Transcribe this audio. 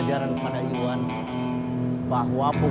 karena medida kebelet nous untuk tubuh